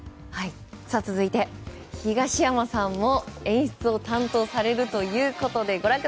続いては東山さんも演出を担当されるということで。